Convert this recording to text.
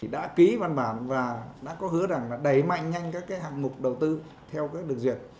đã ký văn bản và đã có hứa rằng đẩy mạnh nhanh các hạng mục đầu tư theo các được duyệt